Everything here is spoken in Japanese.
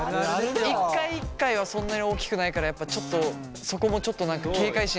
一回一回はそんなに大きくないからやっぱちょっとそこもちょっと何か警戒心が緩んでしまうという。